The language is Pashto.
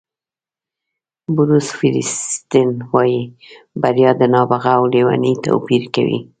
بروس فیریسټن وایي بریا د نابغه او لېوني توپیر کوي.